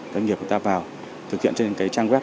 doanh nghiệp chúng ta vào thực hiện trên trang web